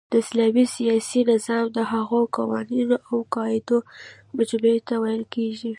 د اسلام سیاسی نظام د هغو قوانینو اوقواعدو مجموعی ته ویل کیږی